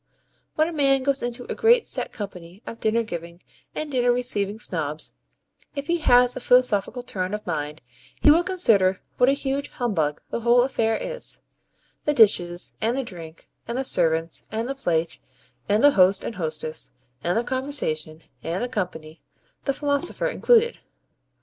When a man goes into a great set company of dinner giving and dinner receiving Snobs, if he has a philosophical turn of mind, he will consider what a huge humbug the whole affair is: the dishes, and the drink, and the servants, and the plate, and the host and hostess, and the conversation, and the company, the philosopher included.